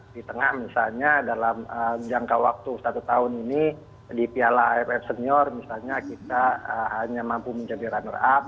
di tengah misalnya dalam jangka waktu satu tahun ini di piala aff senior misalnya kita hanya mampu menjadi runner up